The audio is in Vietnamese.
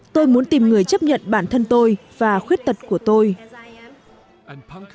tôi muốn tìm người chấp nhận bản thân tôi và khuyết tật của tôi